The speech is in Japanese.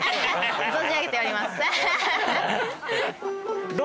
存じ上げております。